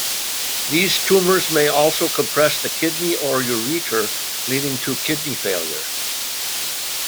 These tumors may also compress the kidney or ureter leading to kidney failure.